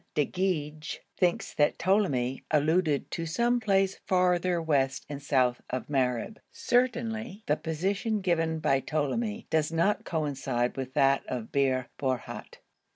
de Goeje thinks that Ptolemy alluded to some place farther west and south of Mareb. Certainly the position given by Ptolemy does not coincide with that of Bir Borhut.